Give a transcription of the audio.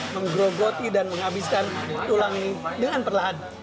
menggrogoti dan menghabiskan tulang mie dengan perlahan